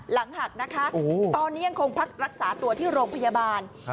หลังหักนะคะตอนนี้ยังคงพักรักษาตัวที่โรงพยาบาล